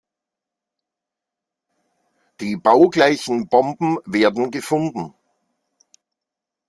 Die baugleichen Bomben werden gefunden.